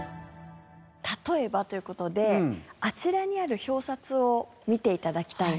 例えばという事であちらにある表札を見て頂きたいんです。